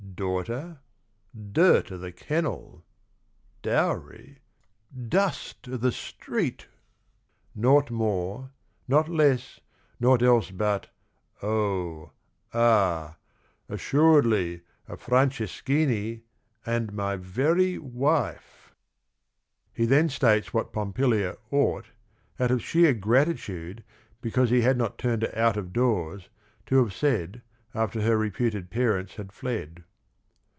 Daughter? Dirt O' the kennel I Dowry? Dust o' the street 1 Naught more, Not less, naught else but — oh — ah — assuredly A Franceschini and my very wife 1 " He then states what Pompilia ought, out of sheer gratitude because he had not turned her out of doors, to have said after her reputed parents had fled.